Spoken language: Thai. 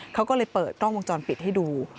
เขาก็เลยเปิดกล้องวงจรปิดให้ดู